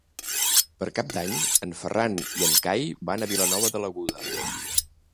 Per Cap d'Any en Ferran i en Cai van a Vilanova de l'Aguda.